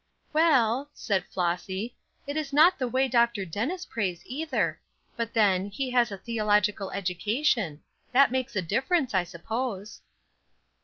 "Well," said Flossy, "it is not the way Dr. Dennis prays, either; but then, he has a theological education; that makes a difference, I suppose."